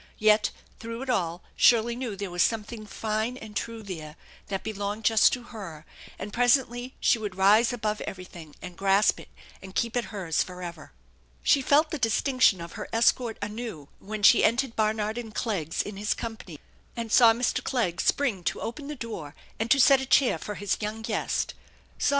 Yet through it all Shirley knew there was some thing fine and true there that belonged just to her, and presently she would rise above everything and grasp it and keep it hers forever. She felt the distinction of her escort anew when she entered Barnard and Clegg's in his company, and saw Mr. Clegg spring to open the door and to set a chair for his young guest, saw